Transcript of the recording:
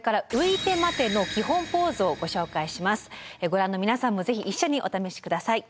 ご覧の皆さんも是非一緒にお試しください。